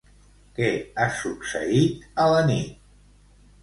Què ha succeït a la nit?